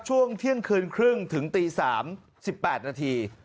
ช่วงเที่ยงคืนครึ่งถึงตี๓๑๘นาที